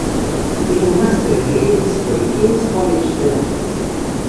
Tiene un Máster en Leyes por el King's College de Londres.